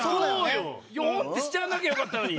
「よん」ってしちゃわなきゃよかったのに。